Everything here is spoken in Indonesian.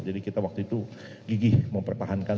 jadi kita waktu itu gigih mempertahankan